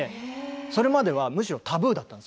それまではむしろタブーだったんです。